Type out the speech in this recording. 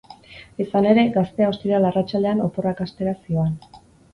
Izan ere, gaztea ostiral arratsaldean oporrak hastera zihoan.